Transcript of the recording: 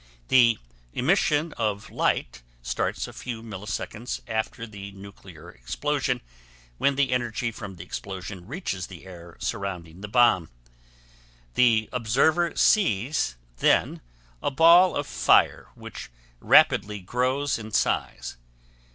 The emission of light starts a few milliseconds after the nuclear explosion when the energy from the explosion reaches the air surrounding the bomb. The observer sees then a ball of fire which rapidly grows in size.